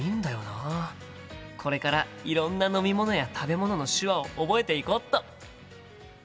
これからいろんな飲み物や食べ物の手話を覚えていこっと！